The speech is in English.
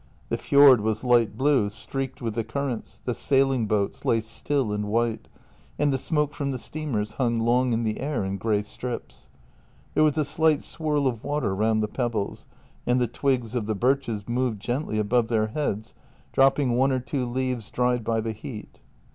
The fjord was light blue, streaked with the currents, the sailing boats lay still and white, and the smoke from the steamers hung long in the air in grey strips. There was a slight swirl of water round the pebbles, and the twigs of the birches moved gently above their heads, dropping one or two leaves dried by the heat.